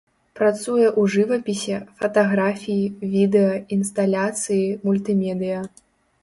Працуе ў жывапісе, фатаграфіі, відэа, інсталяцыі, мультымедыя.